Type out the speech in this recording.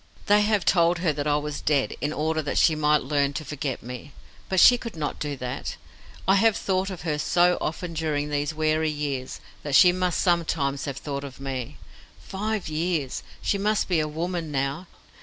"They have told her that I was dead, in order that she might learn to forget me; but she could not do that. I have thought of her so often during these weary years that she must sometimes have thought of me. Five years! She must be a woman now.